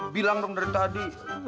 bilang dong dari tadi